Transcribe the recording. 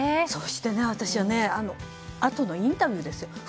そしてあとのインタビューですよ。